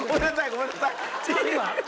ごめんなさい。